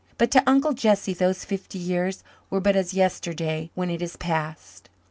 But to Uncle Jesse those fifty years were but as yesterday when it is past.